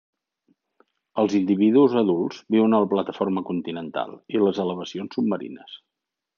Els individus adults viuen a la plataforma continental i les elevacions submarines.